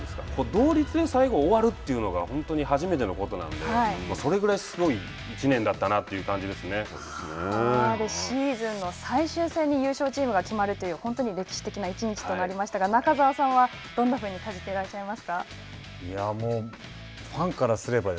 同率で最後終わるというのが本当に初めてのことなのでそれぐらいすごい１年だったなというシーズンの最終戦に優勝チームが決まるという本当に歴史的な１日となりましたが中澤さんはどんなふうに感じていらっしゃいますか。